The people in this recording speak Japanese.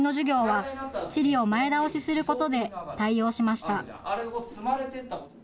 きょうは地理を前倒しすることで、対応しました。